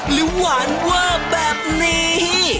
หรือหวานเว่อแบบนี้